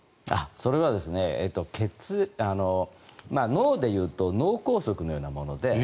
それは脳でいうと脳梗塞のようなもので。